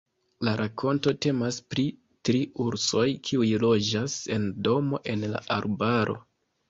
La rakonto temas pri tri ursoj kiuj loĝas en domo en la arbaro.